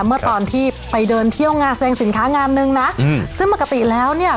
เมื่อตอนที่ไปเดินเที่ยวงานแสดงสินค้างานนึงนะอืมซึ่งปกติแล้วเนี่ย